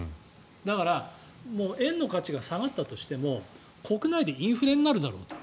だから円の価値が下がったとしても国内でインフレになるだろうと。